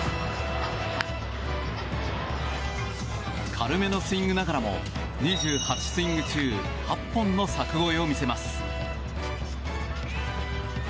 軽めのスイングながらも２８スイング中８本の柵越えを見せます。